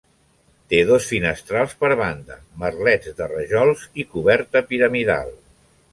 Té dos finestrals per banda, merlets de rajols i coberta piramidal.